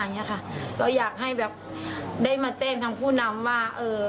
อย่างเงี้ยค่ะเราอยากให้แบบได้มาแจ้งทำผู้นำว่าเอ่อ